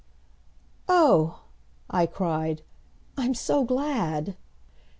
"Oh," I cried, "I'm so glad!"